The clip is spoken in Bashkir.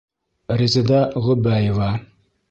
Резеда ҒӨБӘЕВА